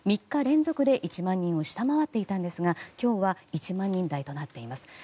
３日連続で１万人を下回っていたんですが今日は１万人台となっています。